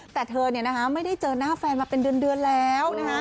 แต่เธอไม่ได้เจอหน้าแฟนมาเป็นเดือนแล้ว